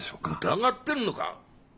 疑ってるのか？